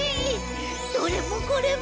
どれもこれも。